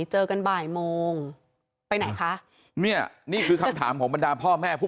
เจอกันบ่ายโมงไปไหนคะเนี่ยนี่คือคำถามของบรรดาพ่อแม่ผู้